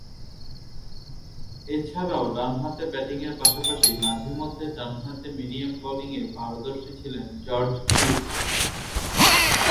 এছাড়াও, ডানহাতে ব্যাটিংয়ের পাশাপাশি মাঝে-মধ্যে ডানহাতে মিডিয়াম বোলিংয়ে পারদর্শী ছিলেন জর্জ উড।